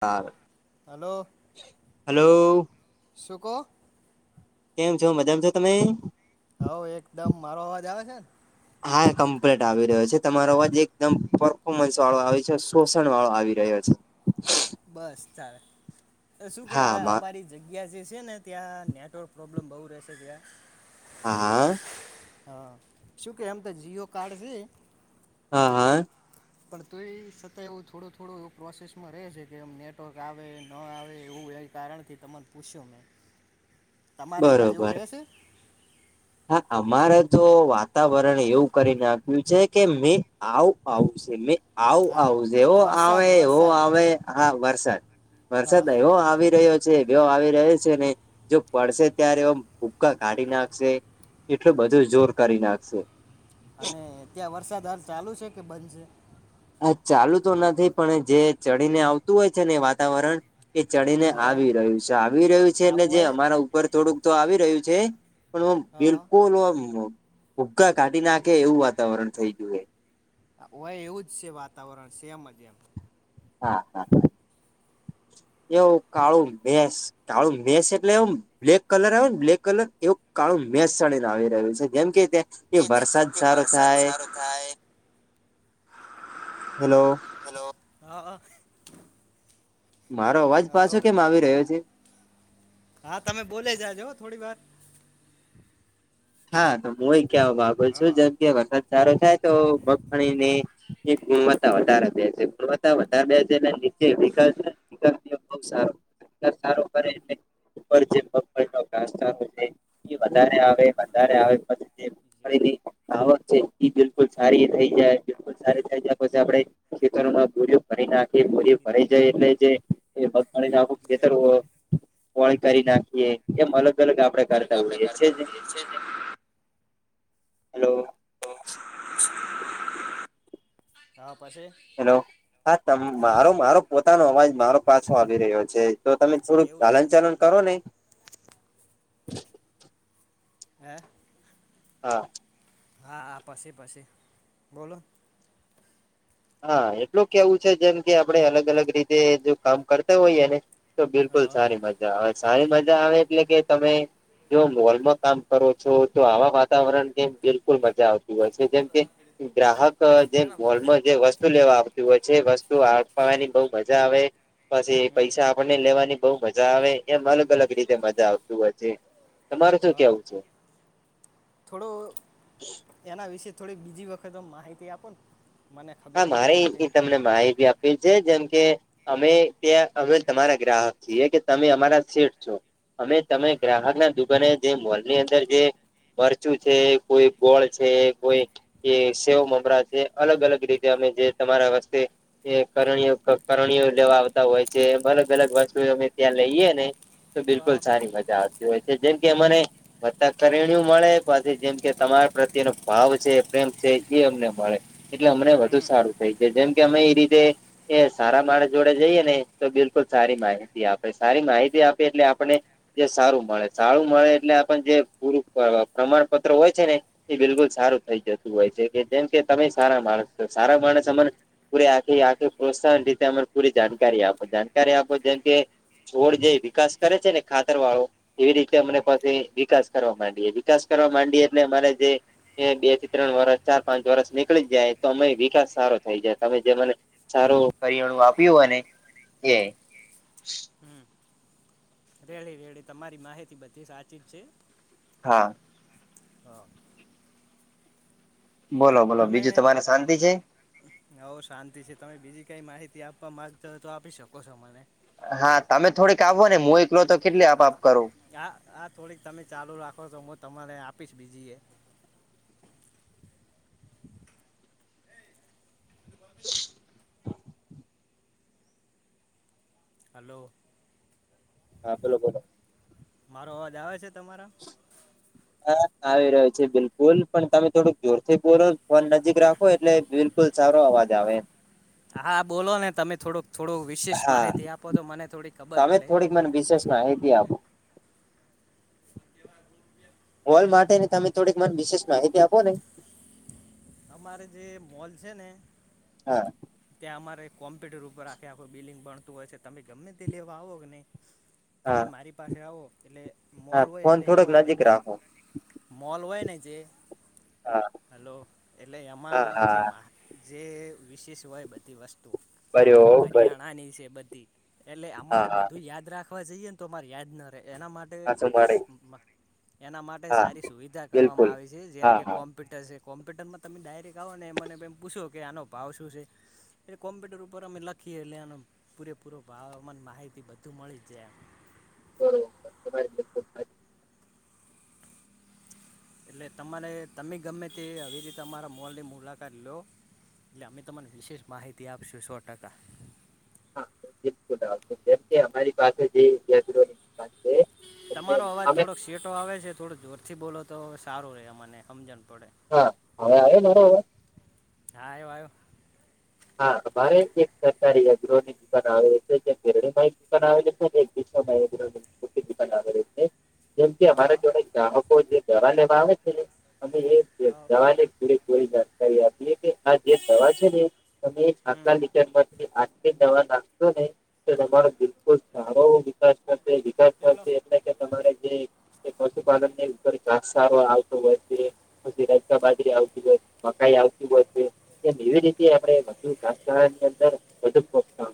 હા. Hello, hello શું કો? કેમ છો મજામાં છો તમે? હઉ એકદમ મારો અવાજ આવે છે? હા, કમ્પ્લીટ આવી રહ્યો છે. તમારો અવાજ એકદમ પરફોર્મન્સ વાળો આવી છે શોષણ વાળો આવી રહ્યો છે. બસ ચાલ એ શું કે હા મા અમારી જગ્યા જે છે ને ત્યાં નેટવર્ક પ્રોબ્લેમ બહુ રહેશે ત્યાં હા, હા. હા. શું કે એમ તો જીઓ કાર્ડ છે હા, હા. પણ તો એ છતાંય એવું થોડું થોડું એવું પ્રોસેસમાં રહે છે કે આમ નેટવર્ક આવે ન આવે એવું એ કારણ થી તને પૂછ્યો મેં. તમારે બાજ બરોબર એવું રહેશે? હા, મારે તો વાતાવરણ એવું કરીને આપ્યું છે કે મેં આવ આવશે મેં આવું આવ જેવો આવે એવો આવે આ વરસાદ. વરસાદ એવો આવી રહ્યો છે એવો આવી રહ્યો છે ને જો પડશે ત્યારે એવ ભૂક્કા કાઢી નાખશે એટલું બધું જોર કરી નાખશે. અને ત્યાં વરસાદ હાલ ચાલુ છે કે બંધ છે? હા, ચાલુ તો નથી પણ જે ચડીને આવતું હોય છે ને વાતાવરણ એ ચડીને આવી રહ્યું છે આવી રહ્યું છે એટલે જે અમારા ઉપર થોડુંક તો આવી રહ્યું છે પણ આમ બિલકુલ આમ ભુગ્કા કાઢી નાખે એવું વાતાવરણ થઈ ગયું એ. આ એવું વજ છે વાતાવરણ છે સેમ અજ એમ. હા હા હા એવું કાળું ભસ કાળું ભસ એટલે આમ બ્લેક કલર આવે ને બ્લેક કલર એવું કાળું મેશ ચાળીને આવી રહ્યું છે જેમ કે ત્યા કે ત્યાં છૂ વરસાદ સારો થાય હેલો હલો હા આહ. મારો અવાજ પાછો કેમ આવી રહ્યો છે? હા, તમે બોલે જાજો થોડી વાર હા, તો હું એ કહેવા માંગુ છું જેમ કે વરસાદ સારો થાય તો ભગવાણી ની ગુણવત્તા વધારે થાય છે ગુણવ તા વધારે બે છે ને નીચે વિકાસ ને [unintelligible] [unintelligible] વધારે આવે વધારે આવે પછી ફરી થી આવક છે બિલકુલ સારી થઈ જાય બિલકુલ સારી થઈ જાય પછી આપડે ખેતરોમાં બૂરીઓ ફરી નાખી બોરીઓ ફરાઈ જાય એટલે જે એ મગફણી આખું ખેતર હો વળ કરી નાખીએ એમ અલગ અલગ આપડે પેલો કે કડતા આપણે હોઈએ છે કરતા જે [inaudible] હલો. હા, પછી? હેલો હા તમ મારો મારો પોતાનો અવાજ મારો પાછો આવી રહ્યો છે. તો તમે થોડુંક હાલન ચાલન કરો ને. [inaudible] હે. હા. હા હા પછી પછી બોલો. હા એટલું કેવું છે જેમ કે આપડે અલગ અલગ રીતે જો કામ કરતા હોઈએને. તો બિલકુલ સારી મજા આવે સારી મજા આવે એટલે કે તમે જો મોલમાં કામ કરો છો તો આવા વાતાવરણની બિલકુલ મજા આવતી હોય છે જેમ કે ગ્રાહક ક જે મોલમાં જે વસ્તુ લેવા આવતી હોય છે એ વસ્તુ આપવાની બહું મજા આવે પછી એ પૈસા આપણને લેવાની બહુ મજા આવે એમ અલગ અલગ રીતે મજા આવતી હોય છે. તમારે શું કેવું છે? થોડું એના વિશે થોડી બીજી વખત માહિતી આપો ન હા મારે એ તમને માહિતી આપી છે જેમ કે અમે ત્યાં અમે તમારા ગ્રાહક છીએ કે તમે અમારા શેઠ છો. અમે તમે ગ્રાહક ના દુકાને જે મોલની અંદર જે મરચું છે કોઈ ગોળ છે કોઈ એ સેવ મમરા છે અલગ અલગ રીતે અમે જે તમારા વસ્તે એ કરણીયો કરણીયો લેવા આવતા હોય છે એ અલગ અલગ વસ્તુ અમે ત્યાં લઈએ ને તો બિલકુલ સારી મજા આવતી હોય છે જેમ કે મને બધા કરણું મળે પાછી જેમ કે તમારા પ્રત્યેનો ભાવ છે પ્રેમ છે એ અમને મળે. એટલે અમને વધુ સારું થઈ જાય જેમ કે અમે એ રીતે એ સારા માળસ જોડે જઈએ ને તો બિલકુલ સારી માહિતી આપે સારી માહિતી આપે એટલે આપણે જે સારું મળે સારું મળે એટલે આપણ જે પૂરું પ્રમાણપત્ર હોય છે ને એ બિલકુલ સારું થઈ જતું હોય છે કે જેમ કે તમે સારા માણસ છો સારા માણસ અમને પૂરી આખી આખી પ્રોત્સાહન રીતે અરે પૂરી જાણકારી આપો જાણકારી આપો જેમ કે છોડ જે વિકાસ કરે છે ને ખાતર વાળો એવી રીતે અમને પાસે વિકાસ કરવા માંડીએે વિકાસ કરવા માંડીએે એટલે અમારે જે એ બે થી ત્રણ વરસ ચાર પાંચ વરષ નીકળી જ જાય. તો અમે વિકાસ સારો થઈ જાય તમે જે મને સારું કરીયાણું આપ્યું હોય ને? એ આઇ હમ્મ. રેડી રેડી તમારી માહિતી બધી સાચી જ છે. હા. હા. બોલો બોલો બીજું તમારે શાંતિ છે. હઓ શાંતિ છે તમે બીજી કઈ માહિતી આપવા માંગતા હોય તો આપી શકો છો મને. હા તમે થોડીક આવો ને મુ એકલો તો કેટલી આપ આપ કરું. આ આ થોડીક તમે ચાલુ રાખો છો હું તમારે આપીશ બીજી એ [inaudible] હલો. હા બોલો બોલો. મારો અવાજ આવે છે તમારામાં? હા આવી રહ્યો છે બિલકુલ પણ તમે થોડુંક જોરથી બોલો ફોન નજીક રા ખો એટલે બિલકુલ સારો અવાજ આવે હા બોલો ને તમે થોડુંક થોડુંક વિશેષ હા માહિતી આપો તો મને થોડી ખબર તમે પડે. થોડીક મને વિશેષ માહિતી આપો હોલ માટે ને તમે થોડીક મને વિશેષ માહિતી આપો ને અમારે જે મોલ છે ને હા ત્યાં અમારે કોમ્પ્યુટર ઉપર આખે આખું બિલ્ડિંગ ભણતું હોય છે તમે ગમે તે લેવા આવો કે ને હા તમે મારી પાસે આવો એટલે મોલ હા હોય ફોન એટલે થોડોક એમાં નજીક બધી રાખો મોલ હોય ને જે હા [unintelligible] હલો એટલે એમાં હા જે હા મા જે વિશેષ હોય બધી વસ્તુ બરોબર કરિયાણાની છે બધી એટલે હા અમારે હા બધું યાદ રાખવા જઈએ ને તો અમારે યાદ ના રહે એના માટે હા સંભાળાય એના માટે હા સારી સુવિધા બિલકુલ કરવામાં આવી છે જેમ હા કે કોમ્ હા કોમ્પ્યુટર છે કોમ્પ્યુટરમાં તમે ડાયરેક્ટ આવો ને મને પૂછો કે આનો ભાવ શું છે? એ કોમપ્યુટર ઉપર અમે લખીએ લ્યાન પૂરેપૂરો હવામાન માહિતી બધું મળી જ જાય એમ. બરોબર બ એટલે તમારે તમે ગમે તે હવે તમારા મોલની મુલાકાત લો એટલે અમે તમને વિશેષ માહિતી આપીશું સો ટકા. હા બિલકુલ આવશે જેમ કે અમારી પાસે જે હે? તમારો અવાજ થોડોક સેટો આવે છે થોડો જોરથી બોલો તો હવે સારું રે મને સમજણ પડે. હા હવે આવે મારો અવાજ? હા આવ્યો આ્યો. હા અમારે એક સરકારી હ ગ્રહ [inaudible] આવે છેિર આવે છે [inaudible] ડિપેન્ડ આ કરાવેલે છે. જેમ કે અમારા જોડે ગ્રાહકો જે દવા લેવા આવે છે ને અમે એ દવા લ આપડી થોરી જાણકારી આપીએ કે આ જે દવા છે ને તમે એ ખાખલા લીચર માં આજ જવા નાખશો ને તમારો બિલકુલ સારો વિકાસ થશે વિકાસ કરશે એટલે કે તમારે જે પશુપાલન ની ઉપર ઘાસ સારો આવતો હોય છે. જ બાજરી આવતી હોય મકાઈ આવતી હોય છે એ એવી રીતે ની અંદર વધુ પ [inaudible]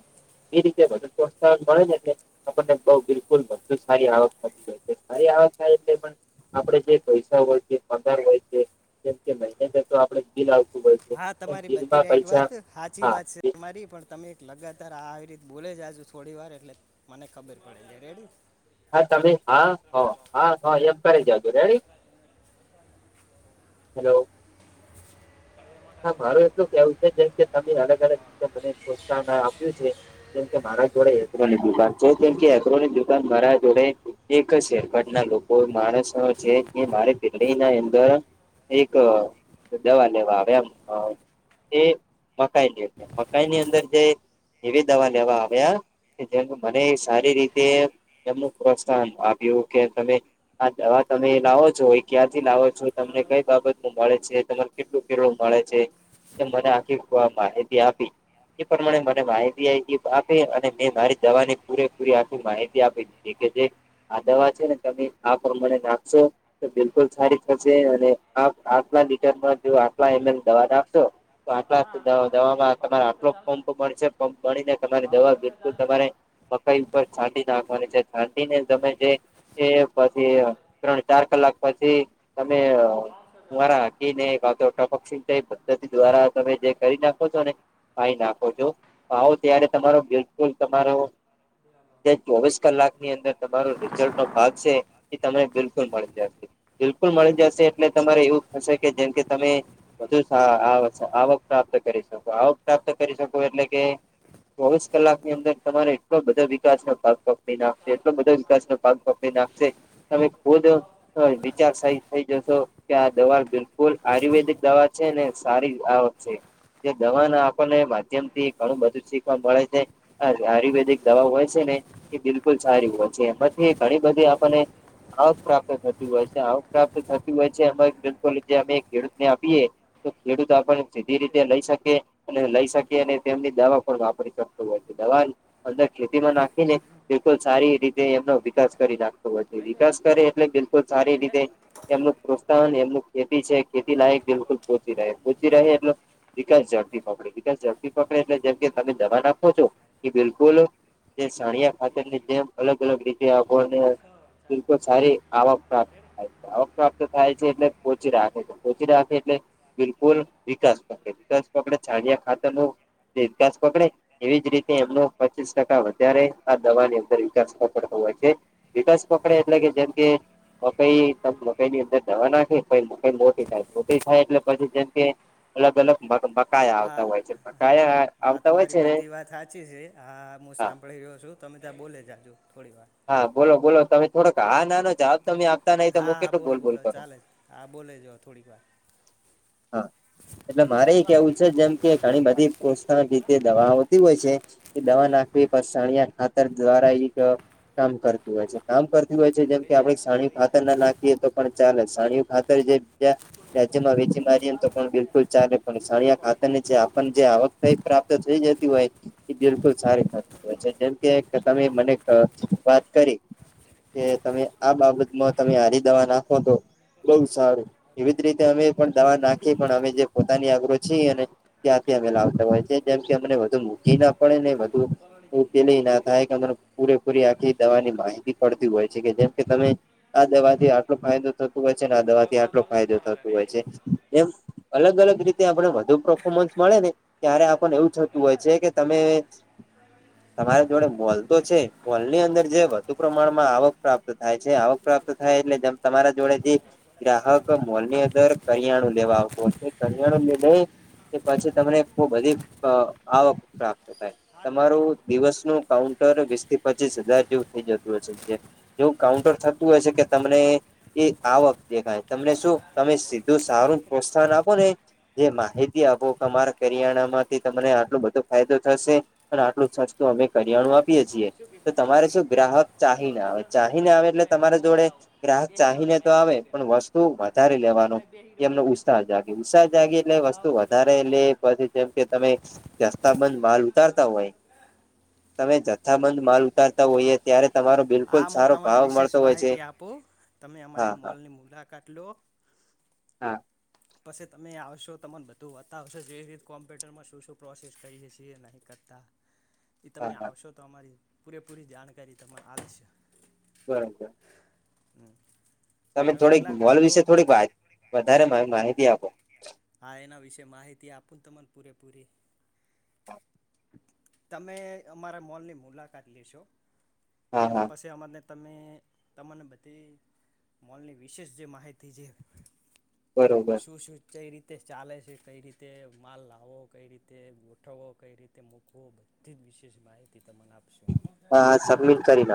એ રીતે પ્રોત્સાહન મળે ને એટલેણને બઉ બિલકુલ ભતુ સારી આવક થતી જ સારી આવવાક થાય એટલે પણ આપડે જે પૈસા હોય છે પગાર હોય છે જેમ કે મહિનેને તો આપડે બિલ આવતું. હોય છે હા એમ તમારી બધી બિલમાં રાઈટ પૈસા વાત સાચી હા વાત છે. મારી પણ તમે લગાતાર આવી રીતે બોલે જાજો થોડી વાર એટલે મને ખબર પડે છે. રેડી? હા તમે હા હ હા હા એમ કરી જજો રેડી? હલો હા માર એટલું કેવું છે જેમ કે તમે અલગ અલગ રીતે મને પ્રોત્સાહન આપ્યું છે.? કેમકે મારા જોડે એગ્રોનીક દુકાન છે, કેમ કે એગ્રોનીક દુકાન મારા જોડે એક શેરપટ ના લોકો માણસ છે મારે ના અંદર એક દવા લેવા આવ એમ એ મકાઈ લ છે મકાઈની અંદર જે એવી દવા લેવા આવ્યા? જેમ મને સારી રીતે એમનું પ્રોત્સાન આપ્યું કે તમે હા હવા તમે લાવો છો ક્યાંથી લાવો છો? તમને કઈ બાબત ન મળે છે? તમારે કેટલું કેુટલુ? મળે છે, એ મને આખી માહિતી આપી. એ પ્રમાણે મને માહિતી એ આપે અને મેં મારી દવા ની પૂરેપૂરી આખી માહિતી આપી. એ કે જે આ દવા છે ને તમે આ પ્રમાણે નાખશો. તો બિલકુલ સારી થશે અને આ આટલા લીટર જો એને દવા આપશો તો આટલા દવામાં તમારે આટલો પંપ મળશે પંપ મળીને તમારી દવા બિલકુલ તમારે મકાઈ ઉપર છાંડી નાખવાની છે છાંડીને તમે જેઇ એ પછી ત્રણ ચાર કલાક પછી તમે મારા [unintelligible] પક્ષી પદ્ધતિ દ્વારા તમે જે કરી નાખો છો ને ભાઈ નાખો છો. આવો ત્યારે તમારો બિલકુલ તમારો જે ચોવીસ કલાકની અંદર તમારો રિઝલ્ટ નો ભાગ છે એ તમને બિલકુલ મળી જશે. બિલકુલ મળી જશે એટલે તમારે એવું થશે કે જેમ કે તમે વધુ આવક પ્રાપ્ત કરી શકો. આવક પ્રાપ્ત કરી શકો એટલે કે ચોવીસ કલાકની અંદર તમારે એટલો બધો વિકાસ નો ભાગ પગી નાખશે એટલો બધો વિકાસ નો ભાગ એ નાખશે તમે ખુદ વિચાર સહી થઈ જશો કે આ દવા બિલકુલ આયુર્વેદિક દવા છે ને સારી આવક છે. જે દવા ના આપણને માધ્યમ થી ઘણું બધું શીખવા મળે છે. હા આયુર્વેદિક દવા હોય છે ને એ બિલકુલ સારી હોય છે એમાંથી ઘણી બધી આપને આવક પ્રાપ્ત થતી હોય છે. આવક પ્રાપ્ત થતી હોય છે અ બિલકુલ જે અમે ખેડૂતને આપીએ તો ખેડૂત આપણ સીધી રીતે લઈ શકે. અને લઈ શકીએ અને તેમની દવા પણ વાપરી શકતો હોય છે. દવા અંદર ખેતીમાં નાખીને બિલકુલ સારી રીતે એમનો વિકાસ કરી નાખ વિકાસ કરે એટલે બિલકુલ સારી રીતે એમનું પ્રોત્સાહન એમનું ખેતી છે. ખેતી લયક બિલકુલ પોહોચી રહે. પહોંચી રહે એટલે વિકાસ ઝડપી પકડે. વિકાસ ઝડપી પકડે એટલે જેમ કે તમે દવા આપો છો એ બિલકુલ જે સાણીયા ખાતર ની જેમ અલગ અલગ રીતે આપોને તિલ સારી આવક પ્રાપ્ત થાય છે. આવક પ્રાપ્ત થાય છે એટલે પોચી રાખે છે. ચી રાખે એટલે બિલકુલ વિકાસે વિકાસક છડયા ખાતા ન જે કાસ કોકડ એવી જ રીતે એમનો પચીસ ટકા વધારે આ દવાની અંદર વિકાસ પડતો હોય છે. વિકસ પકડે એટલે કે જેમ કે મકાઈ ત મકાઈ ની અંદર દવા નાખે મઈ મોટી ખોટી થાય એટલે પછી જેમ કે અલગ અલગ બકાયા આવતા હોય છે, બકાયા આવતા હોય છે ને વાત સાાચી છે. હા હું સાંભળી રહ્યો છું તમે ત્યાં બોલે જાજો થોડી વાર. હા બોલો બોલો તમે થોડોક આ નાનો જવાબ તમે આપતા નઈ તોમે કેટલો બોલબોલ કરો. હા એટલે મારે એ કેવું છે જેમ કે ઘણી બધી પો રીતે દવાઓ હોય છે કે દવા નાખવી પણિયા ખાતર દ્વારા એક કામ કરતી હોય છે. કામ કરતી હોય છે જેમ કે આપડે છણી ખાતર ના નાખીએ તો પણ ચાલે. સાણીયુ ખાતર જે કે રાજ્યમાં વેચી મારીએ તો પણ બિલકુલ ચાલે. પણ સાનિયા ખાતર ની આપન જે આવે પ્રાપ્ત થઈ જતી હોય એ બિલકુલ સારી થતી હોય છે જેમકે તમે મને વાત કરી. કે તમે આ બાબતમાં તમે હારી દવા નાખો તો બઉ સારું. એવી જ રીતે અમે પણ દવા નાખી પણ અમે જે પોતાની આગ્ર છીએ અને ત્યાંથી અમે લાવતા હોય છે. જેમ કે અમને વધુ મૂકી ના પડે ને વધુ ઉકેલી ના થાય કે અ પૂરેપૂરી આખી દવાની માહિતી પડતી હોય છે કે જેમ કે તમે આ દવાથી આટલો ફાયદો થ તુ હોય છે ને આ દવાથી આટલો ફાયદો થતો હોય છે. એમ અલગ અલગ રીતે આપને વધુ પરફોર્મન્સ મળે ને ત્યારે આપણ એવું થતું હોય છે કે તમે તમારી જોડે બલતો છે વલની અંદર જે વધુ પ્રમાણમાં આવક પ્રાપ્ત થાય છે, આવક પ્રાપ્ત થાય એટલે જેમ તમારા જોડે જે ગ્રાહકો મોલ ની અંદર કરિયાણું લેવા આવતા હોય છે. કરિયાણું લઈ બવ કે પછી તમને ખૂબ બધી આવક તમારું દિવસ નું કાઉન્ટર વીસ થી પચીસ હજાર જેવું થઈ જતું હશે. જે જેવું કાઉન્ટર થતું હોય છે કે તમને એ આવક દેખાય. તમને શું તમે સીધું સારું પ્રોત્સાહન આપો ને જે માહિતી આપો કે તમારા કરિયાણા માંથી તમને આટલો બધો ફાયદો થશે પણ આટલું સસતુ અમે કરિયાણું આપીએ છીએ તો તમારે શું ગ્રાહક ચાહીને આવે ચાહીને આવે એટલે તમારા જોડે ગ્રાહક ચાહીને તો આવે પણ વસ્તુ વધારે લેવાનો એમનો ઉત્સાહ જાગે ઉત્સાહ જાગી એટલે વસ્તુ વધારે લે એટલે પછી જેમ કે તમે જથાબંધ માલ ઉતારતા હોય તમે જથ્થાબંધ માલ ઉતારતા હોઈએ ત્યારે તમારો આ બિલકુલ હું સારો તમને ભાવ વિશેષ મળતો હોય છે માહિતી આપું તમે હા અમારી હા મોલની મુલાકાત લો હા પછી તમે આવશો તમને બધું બતાવશો જેવી રીતે કોમ્પ્યુટરમાં શું શું પ્રોસેસ કરીએ છીએ નહીં કરતા એ તમે હા હા આવશો તો અમારી પૂરેપૂરી જાણકારી તને આપશે બરાબર હમ તમે થોડીક મોલ વિશે થોડીક વધારે માહિતી આપો હા એના વિશેે માહિતી આપું ને તમને પૂરેપૂરી તમે અમારા મોલની મુલાકાત લેશો હા એના હા પછી અમને તમે તેમન બધી મોલની વિશેષ જે માહિતી છે. બરોબર શું શું કઈ રીતે ચાલે છે કઈ રીતે માલ લાવો કઈ રીતે ગોઠવો કઈ રીતે તે મૂકવો બધી જ વિશેષ માહિતી તમને આપશો હા સબમિટ કરી લો